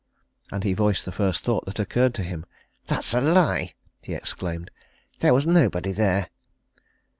And he voiced the first thought that occurred to him. "That's a lie!" he exclaimed. "There was nobody there!"